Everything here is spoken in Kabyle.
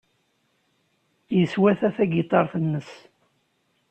Yeswata tagiṭart-nnes.